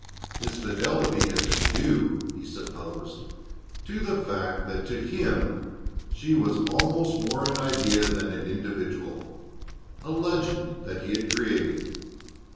His fidelity had been due, he supposed, to the fact that to him she was almost more an idea than an individual, a legend that he had created.